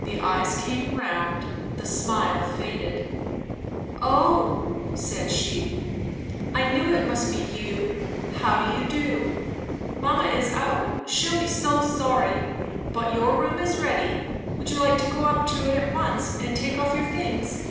The eyes came round, the smile faded. "Oh! " said she. "I knew it must be you. How do you do? Mamma is out; she'll be so sorry. But your room is ready. Would you like to go up to it at once, and take off your things?"